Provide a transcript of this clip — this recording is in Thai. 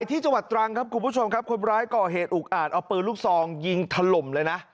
ที่จังหวัดตรังครับคุณผู้ชมครับคนร้ายก่อเหตุอุกอาจเอาปืนลูกซองยิงถล่มเลยนะ